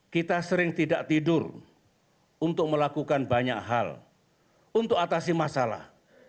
kita sering tidak tidur untuk melakukan banyak hal untuk atasi masalah